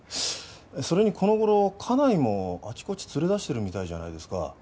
それにこの頃家内もあちこち連れ出してるみたいじゃないですか？